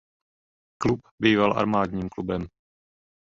Klub býval armádním klubem.